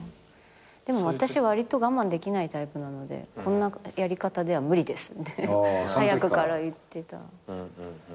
でも私わりと我慢できないタイプなのでこんなやり方では無理ですって早くから言ってたし。